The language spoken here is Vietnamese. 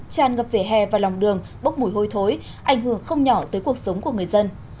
tràn ngập về hè và lòng đường bốc mùi hôi thối ảnh hưởng không nhỏ tới cuộc sống của người dân